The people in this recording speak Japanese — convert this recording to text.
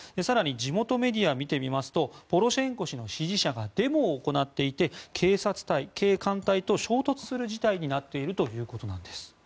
更に地元メディアを見てみますとポロシェンコ氏の支持者がデモを行っていて警察隊、警官隊と衝突する事態となっているということです。